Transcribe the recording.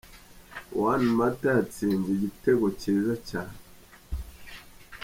Juan Mata yatsinze igitego cyiza cyane!.